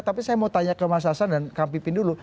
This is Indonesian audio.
tapi saya mau tanya ke mas hasan dan kang pipin dulu